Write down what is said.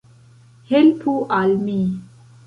Helpu al mi.